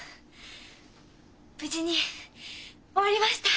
無事に終わりました。